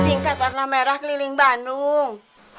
abis tingkat warna merah keliling bandung